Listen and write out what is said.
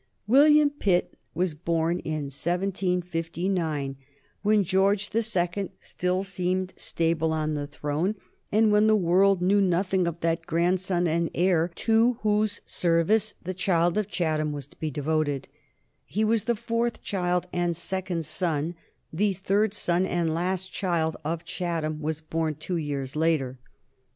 [Sidenote: 1759 80 The youth of the younger Pitt] William Pitt was born in 1759, when George the Second still seemed stable on his throne, and when the world knew nothing of that grandson and heir to whose service the child of Chatham was to be devoted. He was the fourth child and second son; the third son and last child of Chatham was born two years later.